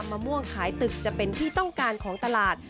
มะม่วงขายตึกจะเป็นที่ต้องการของตลาด